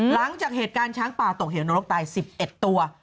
หลังจากเหตุการณ์ช้างป่าตกเหวนรกตาย๑๑ตัว